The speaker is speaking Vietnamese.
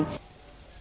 các khu vực này